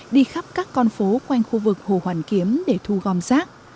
đi khắp các con phố quanh khu vực hồ hoàn kiếm để thu gom rác